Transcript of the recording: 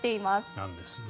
なんですって。